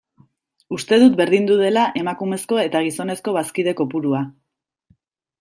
Uste dut berdindu dela emakumezko eta gizonezko bazkide kopurua.